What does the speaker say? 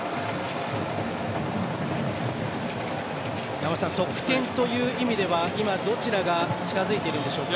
山本さん、得点という意味では今、どちらが近づいているんでしょうか？